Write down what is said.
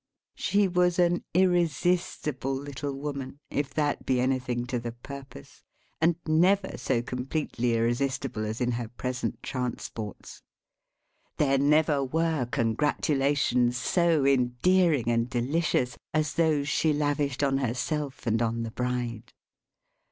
She was an irresistible little woman, if that be anything to the purpose; and never so completely irresistible as in her present transports. There never were congratulations so endearing and delicious, as those she lavished on herself and on the Bride.